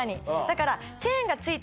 だから。